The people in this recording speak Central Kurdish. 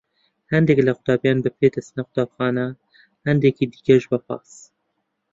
هەندێک لە قوتابیان بە پێ دەچنە قوتابخانە، هەندێکی دیکەش بە پاس.